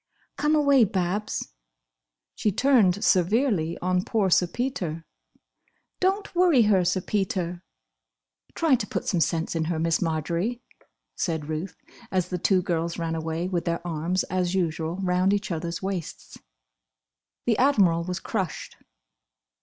"Come away, Babs!" She turned severely on poor Sir Peter, "Don't worry her, Sir Peter!" "Try to put some sense in her, Miss Marjory," said Ruth, as the two girls ran away, with their arms, as usual, round each others' waists. The Admiral was crushed.